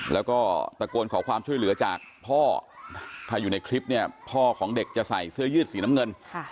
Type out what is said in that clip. แล้วก็ตะโกนขอความช่วยเหลือจากพ่อถ้าอยู่ในคลิปเนี่ยพ่อของเด็กจะใส่เสื้อยืดสีน้ำเงิน